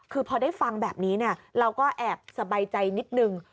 คือพอได้ฟังแบบนี้เราก็แอบสบายใจนิดนึง